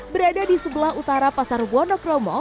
berada di sebelah utara pasar wonokromo